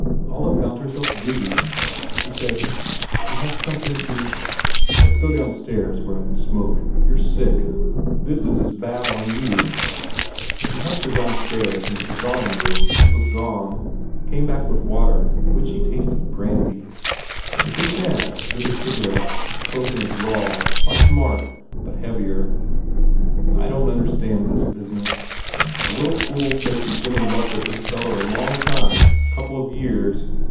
Olive found herself dizzy. She said, "You have something to " "Let s get downstairs where I can smoke. You re sick. This is as bad on you " He helped her downstairs into the drawing room and was gone, came back with water in 260 THE IDOLATER which she tasted brandy. The big man lit his cig arette and spoke in a drawl like Mark s but heav ier. "I don t understand this business. The little fool says she s been in love with this feller a long time a couple of years.